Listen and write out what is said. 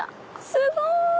すごい！